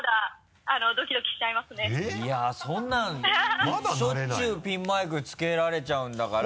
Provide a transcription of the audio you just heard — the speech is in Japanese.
いやそんなのしょっちゅうピンマイクつけられちゃうんだから。